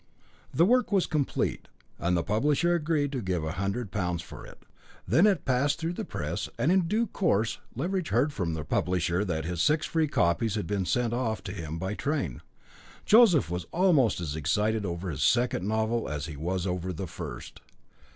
The work was complete, and the publisher agreed to give a hundred pounds for it. Then it passed through the press, and in due course Leveridge heard from the publisher that his six free copies had been sent off to him by train. Joseph was almost as excited over his second novel as he was over the first.